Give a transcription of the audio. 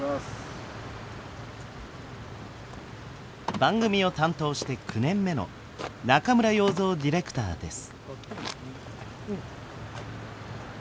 番組を担当して９年目の中村洋三ディレクターです。